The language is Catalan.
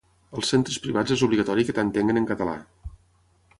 Als centres privats és obligatori que t'entenguin en català.